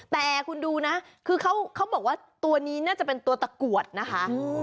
แต่คุณดูนะคือเขาบอกว่าตัวนี้น่าจะเป็นตัวตะกรวดนะคะ